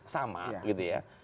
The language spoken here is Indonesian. sama gitu ya